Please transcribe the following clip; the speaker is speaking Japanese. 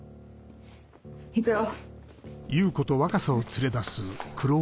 行くよ。